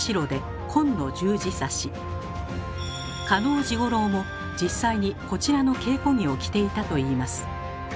嘉納治五郎も実際にこちらの稽古着を着ていたといいます。